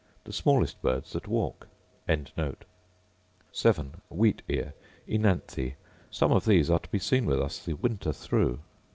The smallest birds that walk. Wheat ear, Oenanthe: Some of these are to be seen with us the winter through.